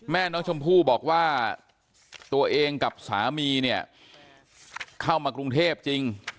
แม่น้องชมพู่บอกว่าตัวเองกับสามีเนี่ยเข้ามากรุงเทพจริง